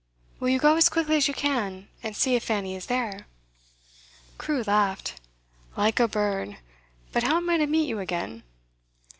Will you go as quickly as you can, and see if Fanny is there?' Crewe laughed. 'Like a bird! But how am I to meet you again?